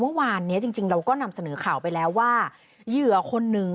เมื่อวานเนี้ยจริงจริงเราก็นำเสนอข่าวไปแล้วว่าเหยื่อคนหนึ่ง